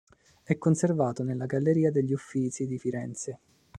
È conservato nella Galleria degli Uffizi di Firenze.